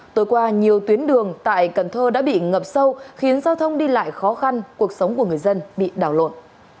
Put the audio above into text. tối qua nhiều tuyến đường tại cần thơ đã bị ngập sâu khiến giao thông đi lại khó khăn cuộc sống của người dân bị đảo lộn